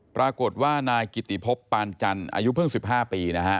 ปรากฏว่านายกิติพบปานจันทร์อายุเพิ่ง๑๕ปีนะฮะ